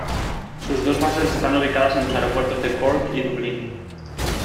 Sus dos bases están ubicadas en los aeropuertos de Cork y Dublín.